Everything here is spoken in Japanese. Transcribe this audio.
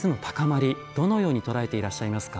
どのように捉えていらっしゃいますか？